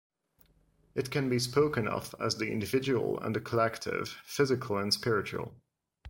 It can be spoken of as the individual and the collective, physical and spiritual.